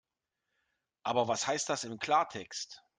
Aber was heißt das im Klartext?